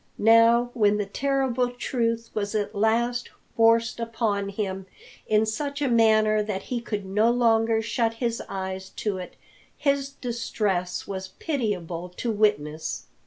Now, when the terrible truth was at last forced upon him in such a manner that he could no longer shut his eyes to it, his distress was pitiable to witness.